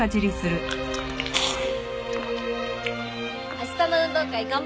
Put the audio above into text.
明日の運動会頑張ろうね。